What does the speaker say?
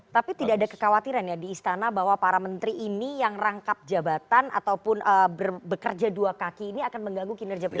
tapi tidak ada kekhawatiran ya di istana bahwa para menteri ini yang rangkap jabatan ataupun bekerja dua kaki ini akan mengganggu kinerja presiden